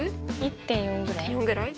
１．４ぐらい？